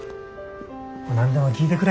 何でも聞いてくれ。